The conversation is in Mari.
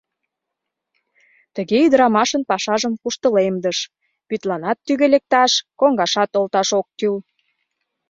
Тыге ӱдырамашын пашажым куштылемдыш: вӱдланат тӱгӧ лекташ, коҥгашат олташ ок кӱл.